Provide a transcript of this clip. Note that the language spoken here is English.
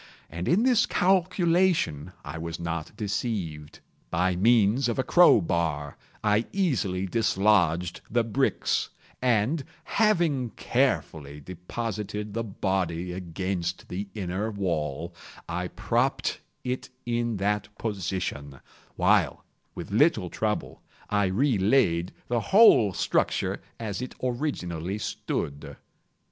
And in this calculation I was not deceived. By means of a crow bar I easily dislodged the bricks, and, having carefully deposited the body against the inner wall, I propped it in that position, while, with little trouble, I re laid the whole structure as it originally stood.